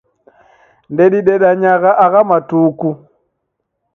Ndedidedanyagha agha matuku